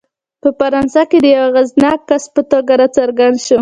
په فرانسه کې د یوه اغېزناک کس په توګه راڅرګند شو.